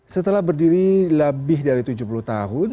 setelah berdiri lebih dari tujuh puluh tahun